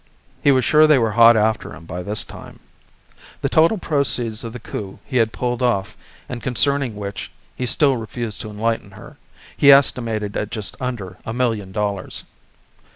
He was sure they were hot after him by this time. The total proceeds of the coup he had pulled off and concerning which he still refused to enlighten her, he estimated as just under a million dollars.